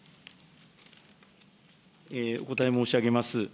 お答え申し上げます。